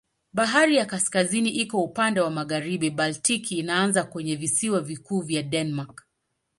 Bahari ya Kaskazini iko upande wa magharibi, Baltiki inaanza kwenye visiwa vikuu vya Denmark.